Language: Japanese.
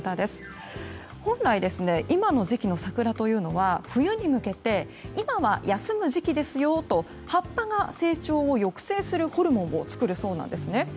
本来、今の時期の桜というのは冬に向けて今は休む時期ですよと葉っぱが成長を抑制するホルモンを作るそうなんですね。